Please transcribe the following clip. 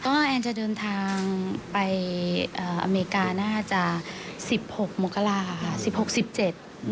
ก็แอนจะเดินทางไปอเมริกาน่าจะ๑๖โมกราคาค่ะ